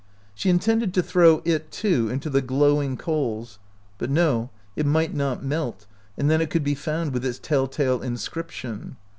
She intended to throw it, too, into the glowing coals; but no, it might not melt, and then it could be found with its tell tale inscription.